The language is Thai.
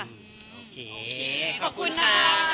โอเคขอบคุณนะ